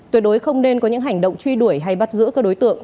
tuyệt đối không nên có những hành động truy đuổi hay bắt giữ các đối tượng